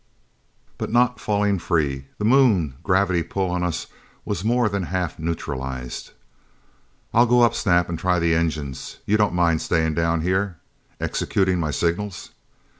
But not falling free. The Moon gravity pull on us was more than half neutralized. "I'll go up, Snap, and try the engines. You don't mind staying down here? Executing my signals?"